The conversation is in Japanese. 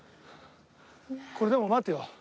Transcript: これでも待てよ。